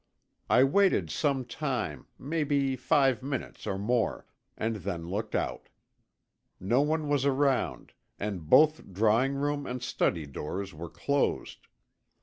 I waited some time, maybe five minutes or more, and then looked out. No one was around and both drawing room and study doors were closed.